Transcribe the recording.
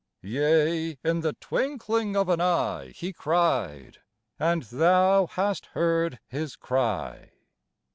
Yea, in the twinkling of an eye, He cried ; and Thou hast heard his cry.